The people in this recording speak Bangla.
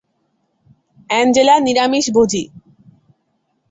অ্যাঞ্জেলা নিরামিষভোজী।